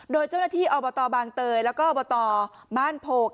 โดยเจ้าหน้าที่อบตบางเตยแล้วก็อบตบ้านโพก